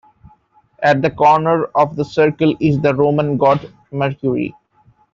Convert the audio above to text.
At the center of the circle is the Roman God Mercury.